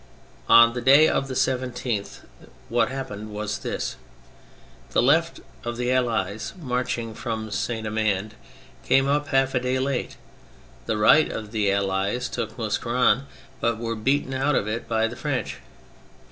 On the day of the 17th what happened was this : The left of the Allies, marching from St. Amand, came up half a day late ; the right of the Allies took Mouscron, but were beaten out of it by the French.